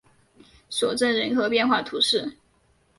索镇人口变化图示